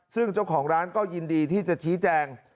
ซึ่งเจ้าของร้านก็ยินดีที่จะชี้แจง